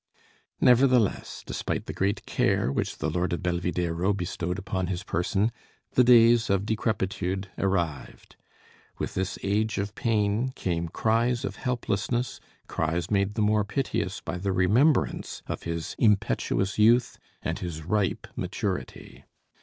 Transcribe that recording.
Nevertheless, despite the great care which the lord of Belvidéro bestowed upon his person, the days of decrepitude arrived. With this age of pain came cries of helplessness, cries made the more piteous by the remembrance of his impetuous youth and his ripe maturity.